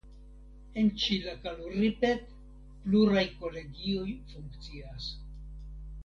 En Ĉilakaluripet pluraj kolegioj funkcias.